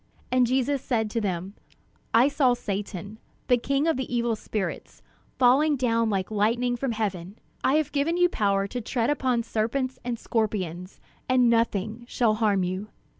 And Jesus said to them: "I saw Satan, the king of the evil spirits, falling down like lightning from heaven. I have given you power to tread upon serpents and scorpions, and nothing shall harm you.